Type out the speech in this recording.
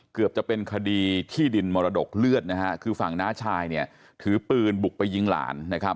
เกือบจะเป็นคดีที่ดินมรดกเลือดนะฮะคือฝั่งน้าชายเนี่ยถือปืนบุกไปยิงหลานนะครับ